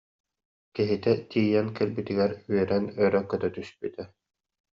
Киһитэ тиийэн кэлбитигэр үөрэн өрө көтө түспүтэ: